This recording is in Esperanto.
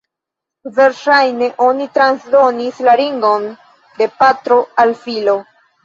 Verŝajne oni transdonis la ringon de patro al filo.